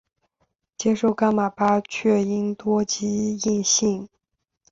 接受噶玛巴却英多吉印信。